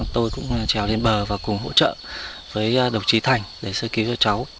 tôi cũng trèo lên bờ và cùng hỗ trợ với đồng chí thành để sơ cứu cho cháu